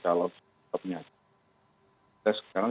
kalau misalkan kita ber